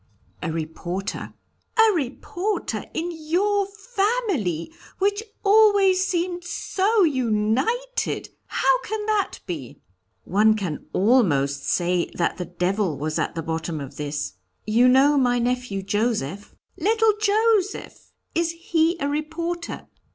"A reporter." "A reporter in your family, which always seemed so united! How can that be?" "One can almost say that the devil was at the bottom of it. You know my nephew Joseph " "Little Joseph! Is he a reporter?"